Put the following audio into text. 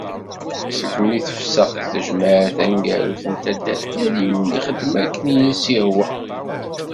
Segmi tefsex tejmeɛt taneggarut n taddart, yal yiwen ixeddem akken i as-yehwa.